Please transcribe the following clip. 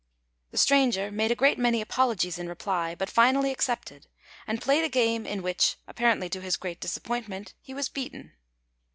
The stranger made a great many apologies in reply, but finally accepted, and played a game in which, apparently to his great disappointment, he was beaten.